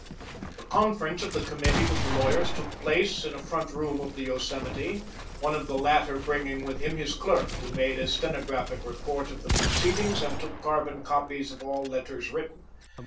The conference of the committee with the lawyers took place in a front room of the Yosemite, one of the latter bringing with him his clerk, who made a stenographic report of the proceedings and took carbon copies of all letters written.